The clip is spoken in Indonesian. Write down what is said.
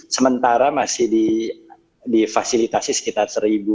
sementara masih di fasilitasi sekitar seribu